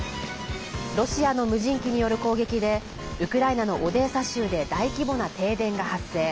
ロシアの無人機による攻撃でウクライナのオデーサ州で大規模な停電が発生。